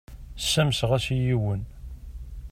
Ssamseɣ-as i yiwen.